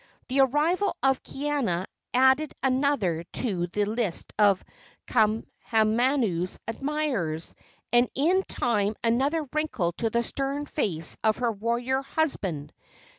The arrival of Kaiana added another to the list of Kaahumanu's admirers, and in time another wrinkle to the stern face of her warrior husband.